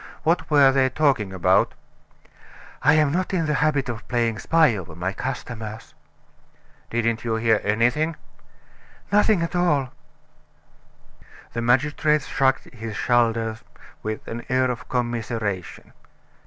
What were they talking about?" "I am not in the habit of playing spy over my customers." "Didn't you hear anything?" "Nothing at all." The magistrate shrugged his shoulders with an air of commiseration.